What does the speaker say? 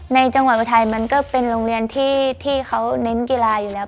ในจังหวัดอุทัยมันก็เป็นโรงเรียนที่เขาเน้นกีฬาอยู่แล้ว